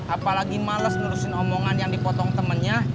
apalagi males menurusin omongan yang dipotong temennya